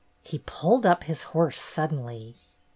He pulled up his horse suddenly.